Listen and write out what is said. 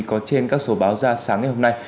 có trên các số báo ra sáng ngày hôm nay